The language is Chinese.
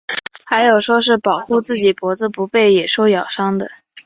还有说是保护自己脖子不被野兽咬伤。